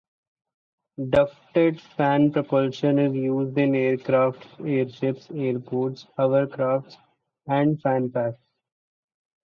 Ducted fan propulsion is used in aircraft, airships, airboats, hovercraft and fan packs.